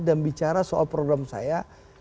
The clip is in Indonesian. dan bicara soal program saya